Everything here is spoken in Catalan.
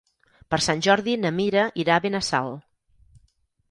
Per Sant Jordi na Mira irà a Benassal.